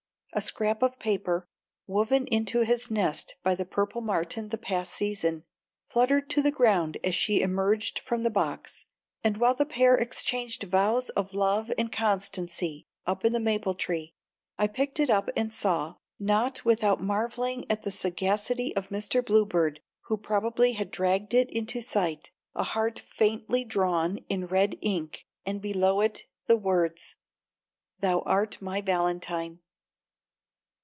A scrap of paper, woven into his nest by the Purple Martin the past season, fluttered to the ground as she emerged from the box, and while the pair exchanged vows of love and constancy up in the maple tree, I picked it up and saw, not without marveling at the sagacity of Mr. Bluebird, who probably had dragged it into sight, a heart faintly drawn in red ink, and below it the words: "_Thou art my valentine!